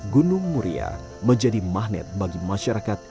gunung muria menjadi magnet bagi masyarakat